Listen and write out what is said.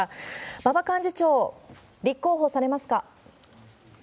馬場幹事長、立候補されますか？